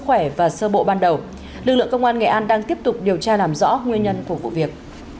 khỏe và sơ bộ ban đầu lực lượng công an nghệ an đang tiếp tục điều tra làm rõ nguyên nhân của vụ việc